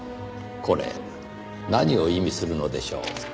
これ何を意味するのでしょう？